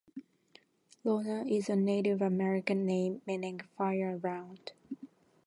Iona is a Native American name meaning "fire around".